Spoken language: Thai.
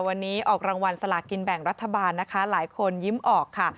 วันนี้ออกรางวัลสลากินแบ่งรัฐบาลนะคะหลายคนยิ้มออกค่ะ